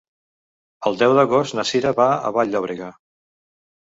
El deu d'agost na Cira va a Vall-llobrega.